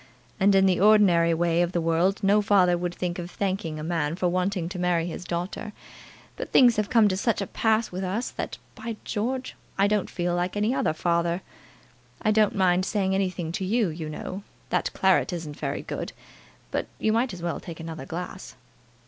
And in the ordinary way of the world no father would think of thanking a man for wanting to marry his daughter. But things have come to such a pass with us, that, by George! I don't feel like any other father. I don't mind saying anything to you, you know. That claret isn't very good, but you might as well take another glass."